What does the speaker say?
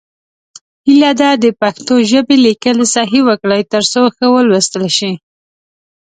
هیله ده د پښتو ژبې لیکل صحیح وکړئ، تر څو ښه ولوستل شي.